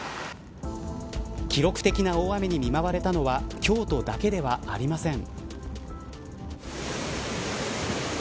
記録的な大雨に見舞われたのは京都だけではありません。